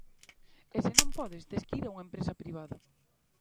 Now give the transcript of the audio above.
E se non podes, tes que ir a unha empresa privada.